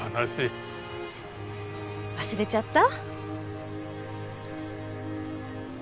忘れちゃった？